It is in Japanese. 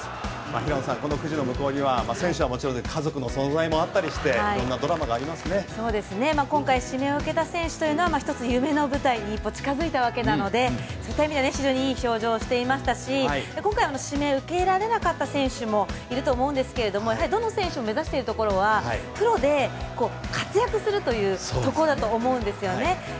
平野さん、このくじの向こうには選手はもちろん家族の存在もあったりしてそうですね、今回指名を受けた選手というのは一つ夢の舞台に一歩近付いたわけなのでそういった意味で非常にいい表情していましたし今回の指名を受けられなかった選手もいると思うんですけれどもどの選手を目指しているところはプロで活躍するというところだと思うんですよね。